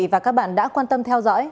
và các bạn đã quan tâm theo dõi